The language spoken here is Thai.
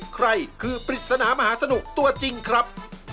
ใครคือปริศนามหาสนุกตัวจริงครับ